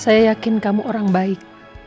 saya yakin kamu orang baik